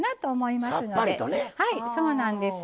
はいそうなんです。